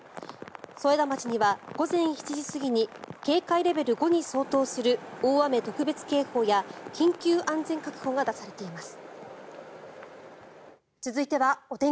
添田町には午前７時過ぎに警戒レベル５に相当する大雨特別警報や緊急安全確保が出されています。